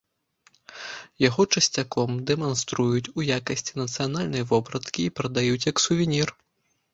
Яго часцяком дэманструюць у якасці нацыянальнай вопраткі і прадаюць як сувенір.